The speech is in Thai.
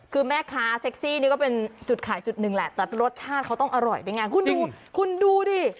คือแม่ค้าเซ็กซี่นี่ก็เป็นจุดขายจุดหนึ่งแหละแต่รสชาติเขาต้องอร่อยด้วยไงคุณดูคุณดูดิ